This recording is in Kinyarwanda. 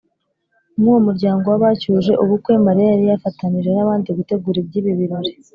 Nk’uwo mu muryango w’abacyuje ubukwe, Mariya yari yafatanije n’abandi gutegura iby’ibi birori